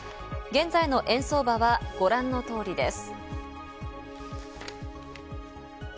現在の円相場はご覧の通りです。